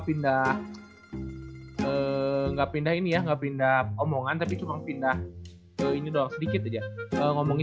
pindah enggak pindah ini ya nggak pindah omongan tapi cuma pindah ke ini doang sedikit aja ngomongin